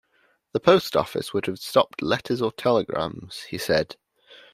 "The Post Office would have stopped letters or telegrams," he said.